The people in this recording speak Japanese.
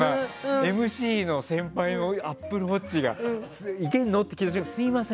ＭＣの先輩のアップルウォッチがいけるのって聞かれてすみません